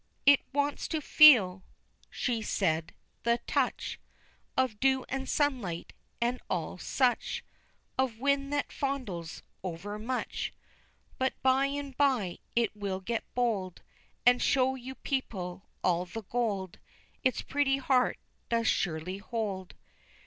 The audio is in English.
"It wants to feel," she said, "the touch Of dew, and sunlight, and all such Of wind that fondles overmuch. But by and by it will get bold, And show you people all the gold Its pretty heart does surely hold."